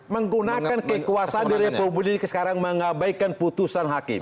menggunakan kekuasaan di republik ini sekarang mengabaikan putusan hakim